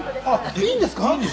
いいんですか？